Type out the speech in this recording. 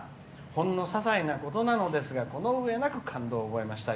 ほんのささいなことなのですがこのうえなく感動を覚えました。